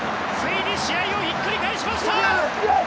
ついに試合をひっくり返しました。